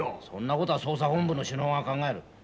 そんな事は捜査本部の首脳が考える。